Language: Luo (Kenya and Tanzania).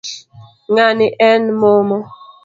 Ngani en momo